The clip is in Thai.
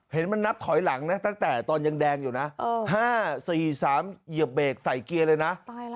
เห็นมันนับถอยหลังนะตั้งแต่ตอนยังแดงอยู่นะ๕๔๓เหยียบเบรกใส่เกียร์เลยนะ